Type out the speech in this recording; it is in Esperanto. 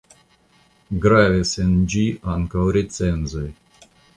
Gravis en ĝi ankaŭ recenzoj.